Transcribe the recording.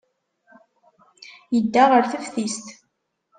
Yedda ɣer teftist.